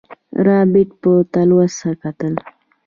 رابرټ په تلوسه کتل.